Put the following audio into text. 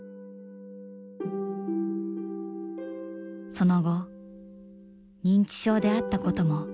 「その後認知症であったことも忘れています」。